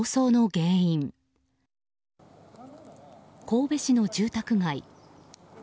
神戸市の住宅街。